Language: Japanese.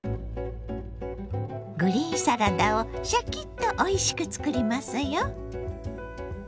グリーンサラダをシャキッとおいしく作りますよ。